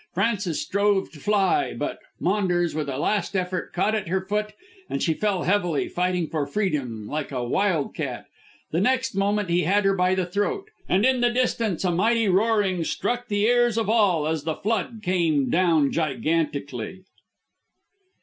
Frances strove to fly, but Maunders with a last effort caught at her foot and she fell heavily, fighting for freedom like a wild cat. The next moment he had her by the throat. And in the distance a mighty roaring struck the ears of all as the flood came down gigantically.